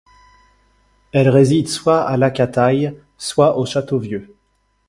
Elle réside soit à Lacataye, soit au Château Vieux.